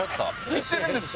行ってるんですか？